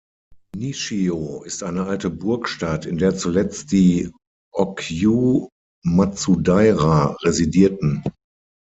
Nishio ist eine alte Burgstadt, in der zuletzt die Ōgyū-Matsudaira residierten.